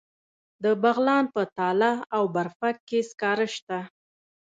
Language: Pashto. د بغلان په تاله او برفک کې سکاره شته.